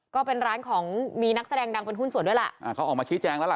ก็เป็นร้านของมีนักแสดงดังเป็นหุ้นส่วนด้วยล่ะอ่าเขาออกมาชี้แจงแล้วล่ะ